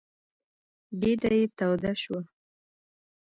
ګېډه یې توده شوه.